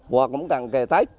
và cũng cần kể tết